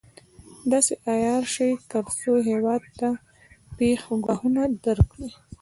داسې عیار شي تر څو هېواد ته پېښ ګواښونه درک کړي.